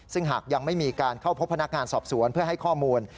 ซึ่งหากยังไม่มีการเข้าพบพนักงานสอบสวนเพื่อให้ข้อมูล